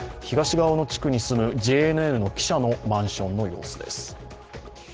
東側の地区に住むＪＮＮの記者のマンションの様子です。